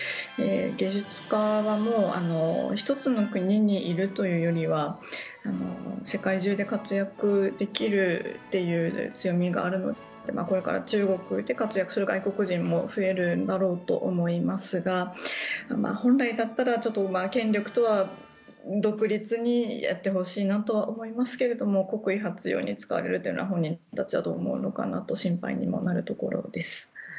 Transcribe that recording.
芸術家はもう１つの国にいるというよりは世界中で活躍できるという強みがあるこれから中国で活躍する外国人も増えるんだろうと思いますが本来だったらちょっと権力とは独立にやってほしいなと思いますけど国威発揚に使われるというのは本人たちはどう思うのかなと心配にもなるところです。